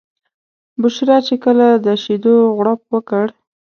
بشرا چې کله د شیدو غوړپ وکړ.